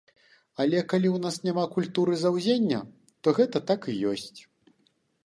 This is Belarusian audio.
Але калі ў нас няма культуры заўзення, то гэта так ёсць.